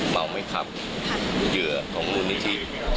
เมาไหมครับเหยื่อของมูลนิธิ